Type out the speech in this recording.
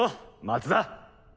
松田。